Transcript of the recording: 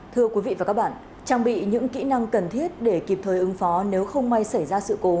thưa quý vị và các bạn trang bị những kỹ năng cần thiết để kịp thời ứng phó nếu không may xảy ra sự cố